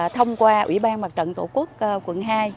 thông qua ủy ban mặt trận tổ quốc quận hai